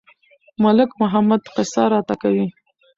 ملک محمد قصه راته کوي.